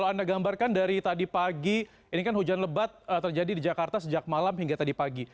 kalau anda gambarkan dari tadi pagi ini kan hujan lebat terjadi di jakarta sejak malam hingga tadi pagi